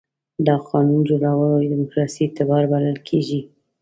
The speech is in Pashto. دا د قانون جوړولو دیموکراسي اعتبار بلل کېږي.